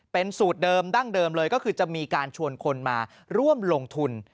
เป็นสูตรเดิมดั้งเดิมเลยก็คือจะมีการชวนคนมาร่วมลงทุน